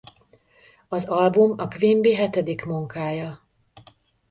Az album a Quimby hetedik munkája.